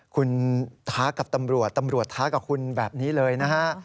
คุณท้ากับตำรวจตำรวจท้ากับคุณแบบนี้เลยนะฮะ